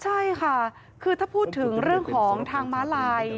ใช่ค่ะคือถ้าพูดถึงเรื่องของทางม้าลาย